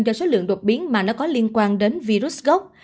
do số lượng đột biến mà nó có liên quan đến virus gốc